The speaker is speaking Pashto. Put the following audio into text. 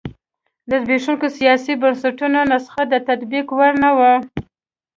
د زبېښونکو سیاسي بنسټونو نسخه د تطبیق وړ نه وه.